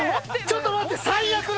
ちょっと待って最悪だって！